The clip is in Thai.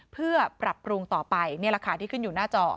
เพื่อปรับปรุงต่อไปนี่แหละค่ะที่ขึ้นอยู่หน้าจอ